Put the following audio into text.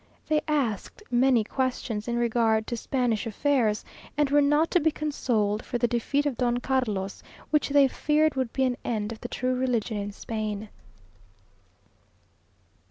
They asked many questions in regard to Spanish affairs, and were not to be consoled for the defeat of Don Carlos, which they feared would be an end of the true religion in Spain.